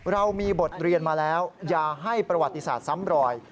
เรามีบทเรียนมาแล้วอย่าให้ประวัติศาสตร์ซ้ำรอย